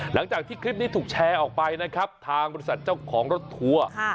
หลังจากที่คลิปนี้ถูกแชร์ออกไปนะครับทางบริษัทเจ้าของรถทัวร์